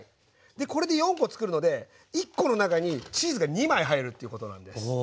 これで４コつくるので１コの中にチーズが２枚入るということなんです。